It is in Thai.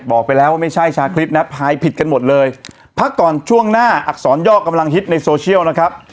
บอกไปแล้วว่าไม่ใช่ชาคริสนะภายผิดกันหมดเลยพักก่อนช่วงหน้าอักษรย่อกำลังฮิตในโซเชียลนะครับ